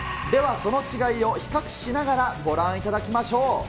その違いを比較しながらご覧いただきましょう。